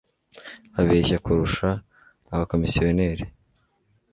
babeshya kurusha abacomisiyoneri